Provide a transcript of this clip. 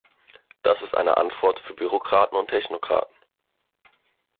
Das ist eine Antwort für Bürokraten und Technokraten.